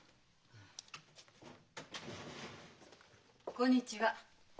こんにちは。